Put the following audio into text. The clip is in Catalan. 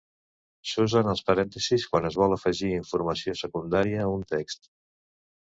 S'usen els parèntesis quan es vol afegir informació secundària a un text.